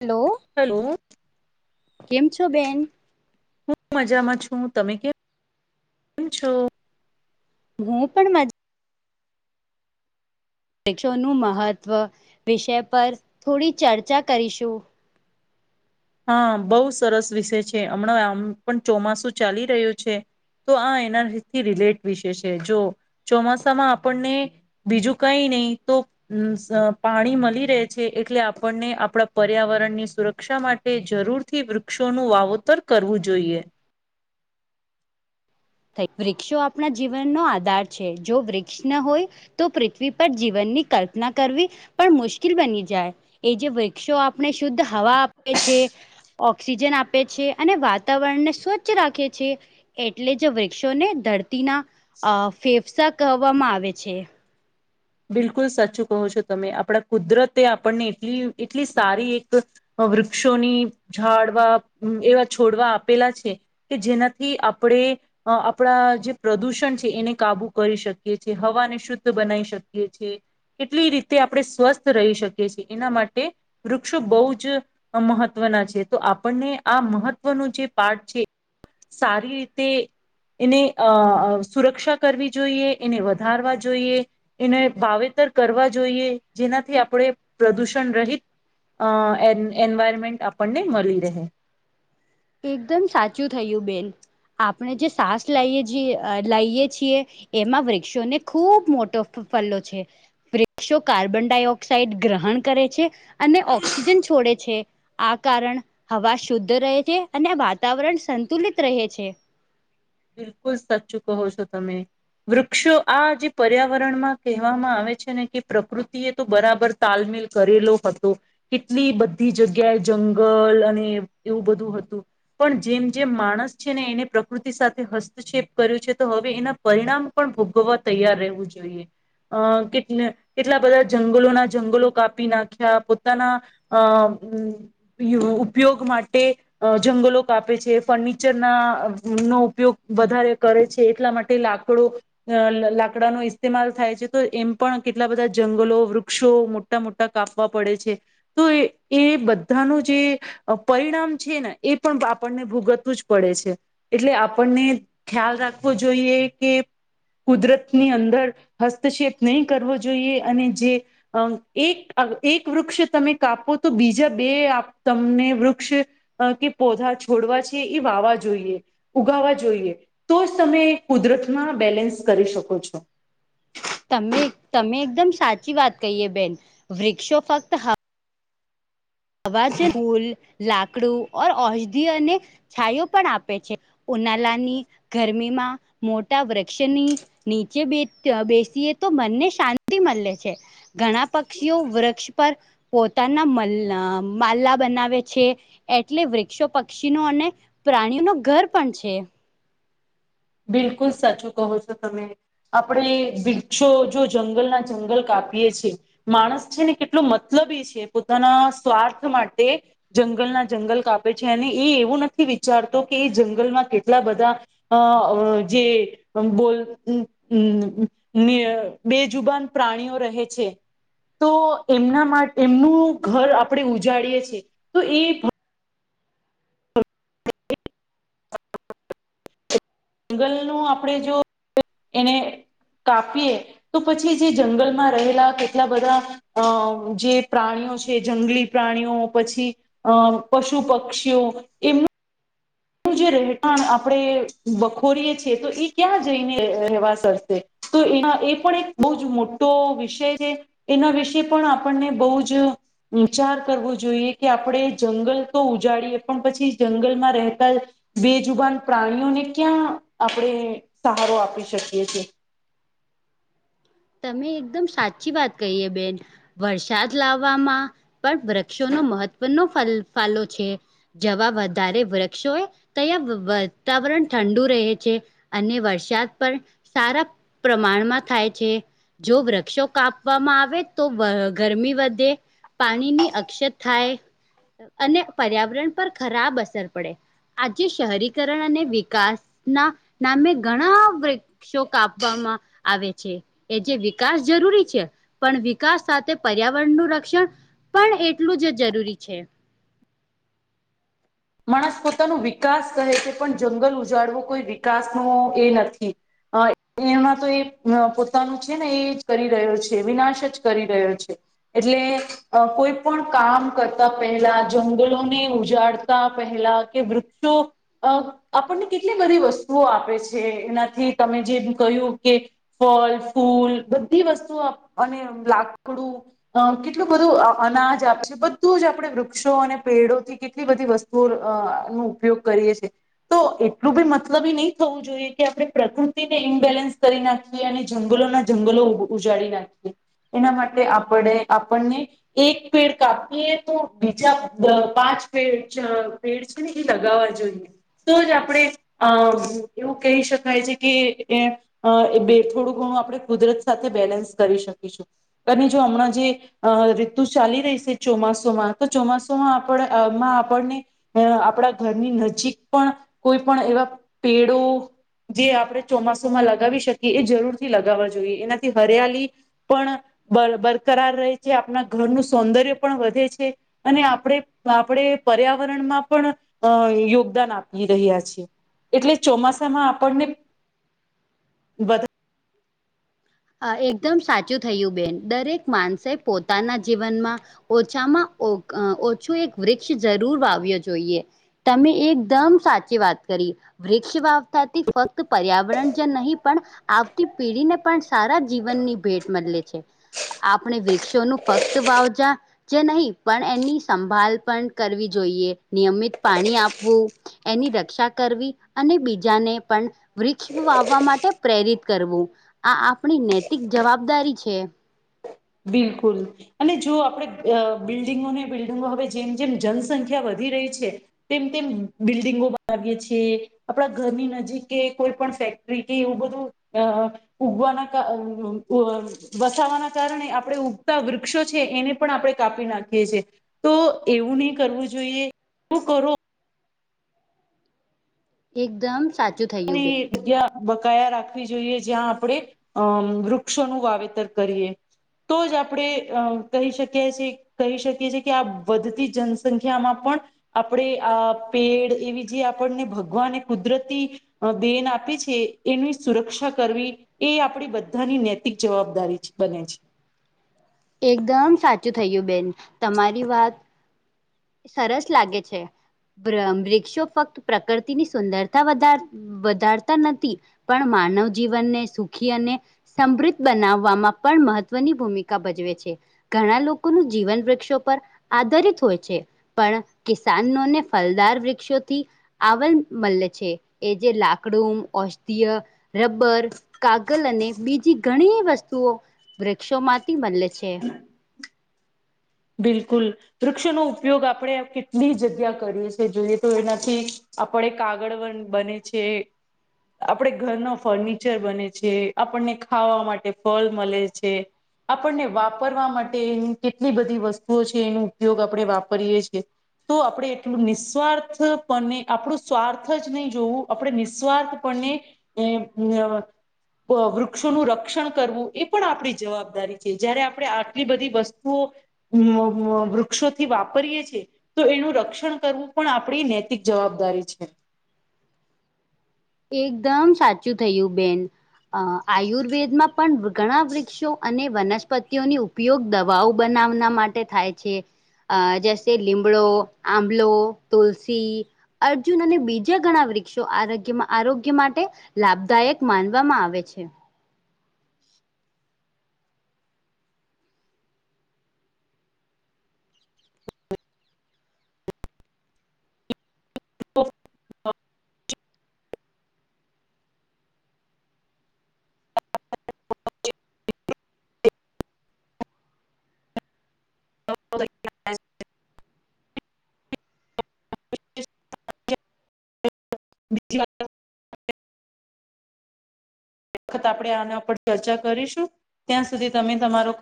Hello hello હું કેમ છો બેન? હું મજામાં છું તમે કેમ છો? હું પણ મ પરીક્ષોનું મહત્ત્વ વિષય પર થોડી ચર્ચા કરીશું. હા બોવ સરસ વિષય છે, હમણાં આમ પણ ચોમાસું ચાલી રહ્યું છે. તો આ એનાથી રિલેટ વિશે છે, જો ચોમાસામાં આપણને બીજું કઈ નહી તો સ પાણી મલી રહે છે, એટલે આપણને આપણા પર્યાવરણની સુરક્ષા મા તે જરૂર થી વૃક્ષોનું વાવેતર કરવું જોઈએ. થય વૃક્ષો આપણા જીવનનો આધાર છે, જો વૃક્ષ ન હોય તો પૃથ્વી પર જીવનની કલ્પના કરવી પણ મુશ્કેલ બની જાય એજો વૃક્ષો આ આપણે શુદ્ધ હવા આપે છે, ઓક્સિજન આ આપ છે, અને વાતાવરણને સ્વચ્છ રાખે છે, એટલે જ જો વૃક્ષોને ધરતીના અ ફેફસા કહેવામાં આવે છે. બિલકુલ સાચું કહો છો તમે આપણા કુદરતે આપણને એટલી એટલી સારી એક વૃક્ષોની ઝાડવા એવા છોડવા આપેલા છે. કે જેનાથી આપણે અ આપણા જે પ્રદુષણ છે, એને કાબુ કરી શકીએ છીએ હવાને શુદ્ધ બનાવી શક એ છે, એટલી રીતે આપણે સ્વસ્થ રહી શકીએ છે, એના માટે વૃક્ષો બોવ જ અ મહત્વના છે, તો આપણને આ મહત્વનું જે પાઠ છે. સારી રીતે એને અ સુરક્ષા કરવી જોઈએ એને વધારવા જોઈએ. એને વાવેતર કરવા જોઈએ જેનાથી આપણે પ્રદૂષણ રહિત અ એન એન્વાયરમેન્ટ આપણને મલી રહે એકદમ સાચું થયું બેન આપણે જે સાસ લઈએ જીએ અ લઈએ છીએ. એમાં વૃક્ષોને ખૂબ મોટો ફલો છે. વૃક્ષો કાર્બન ડાયોક્સાઇડ ગ્રહણ કરે છે. અને ઓક્સિજન છોડે છે, આ કારણ હવા શુદ્ધ રહે છે. અને વાતાવરણ સંતુલિત રહે છે. બિલકુલ સાચું કહો છો તમે વૃક્ષો આ જે પર્યાવરણમાં કહેવામાં આવે છે, ને કે પ્રકૃતિ એ તો બરાબર તાલમેલ કરેલો હતો. કેટલી બધી જગ્યાએ જંગલ અને એવું બધું હતું પણ જેમ જેમ માણસ છે, એને એને પ્રકૃ સાથે હસ્તક્ષેપ કર્યો છે, તો હવે એના પરિણામ પણ ભોગવવા તૈયાર રહેવું જોઈએ અ કેટ કેટલા બધા જંગલોના જંગલો કાપી નાખ્યા પોતાના અ [unintelligible] ઉપયોગ માટે અ જંગલો કાપે છે, ફર્નિચરના નો ઉપયોગ વધારે કરે છે, એટલા માટે લાકડો અ લાકડાનો ઇસ્તેમાલ થાય છે, તો એમ પણ કેટલા બધા જંગલો વૃક્ષો મોટા મોટા કાપવા પડે છે, તો એ એ બધાનું જે પરિણામ છે, ને એ પણ આપણને ભોગતવું જ પડે છે. એટલે આપણને ખ્યાલ રાખવો જોઈએ કે કુદરતની અંદર હસ્તક્ષેપ નહીં કરવો જોઈએ અને જે અ એક એક વૃક્ષ તમે કાપો, તો બીજા બે તમને વૃક્ષ... અ કે પૌધા છોડવા છે, એ વાવા જોઈએ. ઉગાવવા જોઈએ. તો જ તમે કુદરતમાં બેલેન્સ કરી શકો છો. તમે તમે એકદમ સાચી વાત કહી છે બેન. વૃક્ષો ફક્ત... અવાજ ફૂલ, લાકડું, ઔષધી અને..... છાંયો પણ આપે છે. ઉનાળાની ગરમીમાં મોટા વૃક્ષની... નીચે બેસીએ તો મનને શાંતિ મળે છે. ઘણા પક્ષીઓ વૃક્ષ પર પોતાના માળા બનાવે છે. એટલે વૃક્ષો પક્ષીઓ અને પ્રાણીઓ નું ઘર પણ છે. બિલકુલ સાચું કહો છો તમે. આપણે, વૃક્ષો જો જંગલ ના જંગલ કાપીએ છીએ... માણસ છે ને કેટલો મતલબી છે? પોતાના સ્વાર્થ માટે... જંગલના જંગલ કાપે છે, અને એ એવું નથી વિચારતો કે એ જંગલમાં કેટલા બધા.... અ... જે. બોલ. બેજુબાન પ્રાણીઓ રહે છે. તો એમના માટે એમનું ઘર આપણે ઉજાડીયે છીએ. તો એ... જંગલ નું આપડે જો, એને..... કાપીએ, તો પછી જે જંગલમાં રહેલા કેટલા બધા..... અ જે પ્રાણીઓ છે, જંગલી પ્રાણીઓ પછી..... અ પશુ, પક્ષીઓ એમનું.... જે રહેઠાણ આપણે બખોરીએ છીએ. તો એ ક્યાં જઈને રહેવાસ કરશે? તો એ એ પણ એક બહુ જ મોટો વિષય છે. એના વિશે પણ આપણને બહુ જ..... વિચાર કરવો જોઈએ કે આપણે, જંગલ તો ઉજાડીએ પણ પછી જંગલમાં રહેતા... બેજુબાન પ્રાણીઓને ક્યાં આપણે સહારો આપી શકીએ છીએ? તમે એકદમ સાચી વાત કહી એ બેન. વરસાદ લાવવામાં પણ વૃક્ષોનો મહત્વનો ફાળો છે. જ્યાં વધારે વૃક્ષો હોય, ત્યાં વાતાવરણ ઠંડુ રહે છે. અને વરસાદ પણ સારા પ્રમાણમાં થાય છે. જો વૃક્ષો કાપવામાં આવે તો, ગરમી વધે. પાણીની અછત થાય અને પર્યાવરણ પર ખરાબ અસર પડે. આજે શહેરીકરણ અને વિકાસ ના નામે ઘણા વૃક્ષો.... વૃક્ષો કાપવામાં આવે છે. એ જે વિકાસ જરૂરી છે, પણ વિકાસ સાથે પર્યાવરણનું રક્ષણ.... પણ એટલું જ જરૂરી છે. માણસ પોતાનો વિકાસ કહે છે. પણ, જંગલ ઉજાડવો કોઈ વિકાસ નો એ નથી. અ એમાં તો એ પોતાનું છે ને એ જ કરી રહ્યો છે. વિનાશ જ કરી રહ્યો છે. એટલે, કોઈ પણ કામ કરતા પહેલા જંગલોને ઉજાડ.... ઉદારતા પહેલા કે વૃક્ષો... અ આપણને કેટલી બધી વસ્તુઓ આપે છે. એનાથી તમે જેમ કહ્યું કે, ફળ, ફૂલ બધી વસ્તુ અને લાકડું.... અ કેટલું બધું અનાજ આપે છે. બધું જ આપણે વૃક્ષો અને પેડોથી કેટલી બધી વસ્તુ.... નો દૂર ઉપયોગ કરીએ છે. તો એટલું બી મતલબી નહી થવું જોઈએ. કે, આપણે પ્રકૃતિને ઇમબેલેન્સ કરી નાખીએ. અને જંગલોના જંગલો ઉજાડી નાખીએ, એના માટે આપણે આપણને..... એક પેડ કાપીએ, તો બીજા પાંચ પેડ... પેડ છે ને એ લગાવવા જોઈએ. તો જ આપણે.... અ એવું કહી શકાય છે. કે એ... અ એ બે થોડું ઘણું આપણે કુદરત સાથે બેલેન્સ કરી શકીશું. અને જો હમણાં જે... આ ઋતુ ચાલી રહી છે, ચોમાસામાં તો ચોમાસમાં આપણે... આપણને આપણા ઘરની નજીક પણ કોઈ પણ એવા પેડો જે આપણે ચોમાસુમાં લગાવી શકીએ, એ જરૂરથી લગાવવા જોઈએ, એનાથી હરિયાલી પણ બરકરાર રહે છે, આપણા ઘરનું સૌંદર્ય પણ વધે છે. અને આપણે આપણે પર્યાવરણમાં પણ અ યોગદાન આપી રહ્યા છીએ. એટલે ચોમાસામાં આપણને વધારે એકદમ સાચું થયું બેન, દરેક માણસે પોતાના જીવનમાં. ઓછામાં-ઓછું એક વૃક્ષ જરૂર વાવવો જોઈએ. તમે એકદમ સાચી વાત કરી, વૃક્ષ વા ફક્ત પર્યાવરણ જ નહીં, પણ આવતી પેઢીને પણ સારા જીવનની ભેટ મળલેે છે, આપણે વૃક્ષોનું ફક્ત વાવજા જે નહીં, પણ એની સંભાળ પણ કરવી જોઈએ, નિયમિત પાણી આપવું. એની રક્ષા કરવી, અને બીજાને પણ વૃક્ષ વાવવા માટે પ્રેરિત કરવું, આ આપણી નૈતિક જવાબદારી છે. બિલકુલ. અને જો આપણે બિલ્ડિંગોને, બિલ્ડિંગો હવે જેમ જેમ જનસંખ્યા વધી રહી છે. તેમ તેમ બિલ્ડિંગો બનાવીએ છીએ, આપણા ઘરની નજીક કે કોઈ પણ ફેક્ટરી કે એવું બધું અ ઉગવાના વસાવાના કારણે આપણે ઉગતા વૃક્ષો છે, એને પણ આપણે કાપી નાખીએ છીએ. તો એવું નહી કરવું જોઈએ, શું કરો. એકદમ સાચું. થયું અને બેન જગ્યા બકાયા રાખવી જોઈએ, જ્યાં આપણે આમ વૃક્ષોનું વાવેતર કરીએ. તો જ આપણે કહી શકીએ છીએ. કહીં શકીએ છીએ કે, આ વધતી જનસંખ્યામાં પણ આપણે આ પેડ એવી જે આપણને ભગવાન કુદરતી બેન આપે છે, એની સુરક્ષા કરવી. એ આપડી બધાની નૈતિક જવાબદારી બને છે. એકદમ સાચું થયું બેન, તમારી વાત. સરસ લાગે છે, વૃક્ષો ફક્ત પ્રકૃતિની સુંદરતા વધારે વધારતા નથી, પણ માનવ જીવનને સુખી અને સમૃદ્ધ બનાવવામાં પણ મહત્વની ભૂમિકા ભજવે છે. ઘણા લોકોનું જીવન વૃક્ષો પર આધારિત હોય છે. પણ કિસનોને ફલદાર વૃક્ષોથી આવલ મલ છે, એ જે લાકડું ઔષધીય રબર, કાગલ અને બીજી ઘણી વસ્તુઓ વૃક્ષો માંથી બનલે છે. બિલકુલ, વૃક્ષનો ઉપયોગ આપણે કેટલી જગ્યા કરીએીએ જોઈએ તો એનાથી આપણે કાગળ વન બને છે. આપડો ઘરનો ફર્નિચર બને છે, આપણને ખાવા માટે ફળ મળે છે. આપણને વાપરવા માટેની કેટલી બધી વસ્તુઓ છે, એનો ઉપયોગ આપણે વાપરીએ છ છીએ. તો આપણે એટલું નિસ્વાર્થ પણ આપણું સ્વાર્થ જ નહીં જોવું. આપણે નિસ્વાર્થપને અ વૃક્ષોનું રક્ષણ કરવું, એ પણ આપણી જવાબદારી છે, જયારે આપણે આટલી બધી વસ્તુઓ વૃક્ષોથી વાપરીએ છીએ. તો એનું રક્ષણ કરવું, પણ આપણી નૈતિક જવાબદારી છે. એકદમ સાચું થયું બેન. અ આયુર્વેદમાં પણ ઘણા વૃક્ષો અને વનસ્પતિઓની ઉપયોગ દવાઓ બનાવના માટે થાય છે. અ જેમ કે લીમડો, આબલો, તુલસી અર્જુન અને બીજા ઘણા વૃક્ષો આરોગ્યમાં આરોગ્ય માટે લાભદાયક માનવામાં આવે છે. ઓફ [inaudible] હ [inaudible] બ વખત આપણે આના ઉપર ચર્ચા કરીશું ત્યાં સુધી તમે તમારો